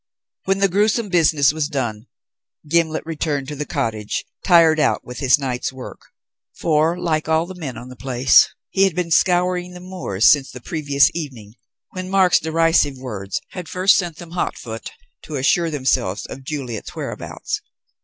When the gruesome business was done, Gimblet returned to the cottage, tired out with his night's work; for, like all the men on the place, he had been scouring the moors since the previous evening, when Mark's derisive words had first sent them, hot foot, to assure themselves of Juliet's whereabouts.